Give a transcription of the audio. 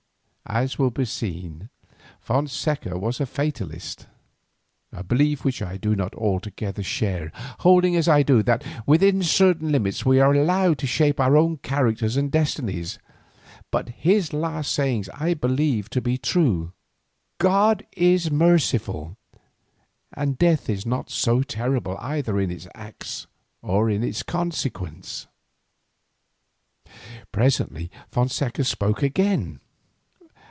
As will be seen Fonseca was a fatalist, a belief which I do not altogether share, holding as I do that within certain limits we are allowed to shape our own characters and destinies. But his last sayings I believe to be true. God is merciful, and death is not terrible either in its act or in its consequence. Presently Fonseca spoke again.